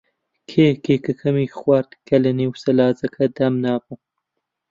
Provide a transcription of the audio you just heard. کێ کێکەکەمی خوارد کە لەنێو سەلاجەکە دامنابوو؟